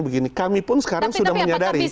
begini kami pun sekarang sudah menyadari